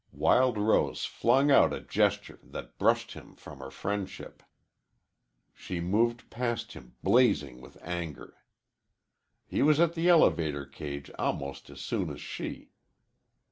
Wild Rose flung out a gesture that brushed him from her friendship. She moved past him blazing with anger. He was at the elevator cage almost as soon as she.